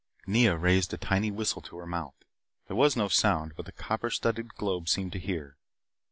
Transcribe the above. Nea raised a tiny whistle to her mouth. There was no sound, but the copper studded globe seemed to hear.